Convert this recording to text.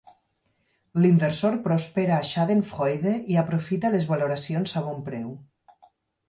L'inversor prospera a Schadenfreude i aprofita les valoracions a bon preu.